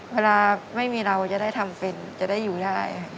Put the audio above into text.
เวลาไม่มีเราจะได้ทำเป็นจะได้อยู่ได้